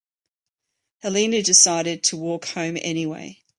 Helena decided to walk home anyway.